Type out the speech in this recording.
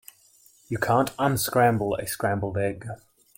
You can't unscramble a scrambled egg.